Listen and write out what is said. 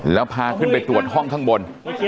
แล้วพาขึ้นไปตรวจห้องข้างบน